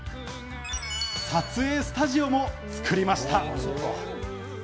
撮影スタジオも作りました。